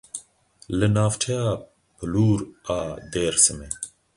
Li navçeya Pulur a Dêrsimê.